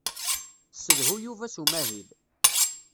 Ssedhu Yuba s umahil.